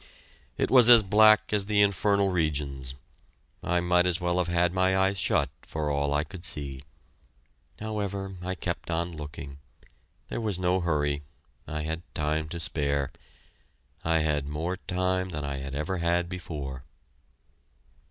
It was as black as the infernal regions I might as well have had my eyes shut, for all I could see. However, I kept on looking. There was no hurry I had time to spare. I had more time than I had ever had before.